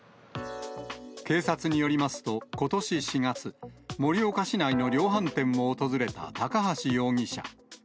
警察によりますと、ことし４月、盛岡市内の量販店を訪れた高橋容疑者。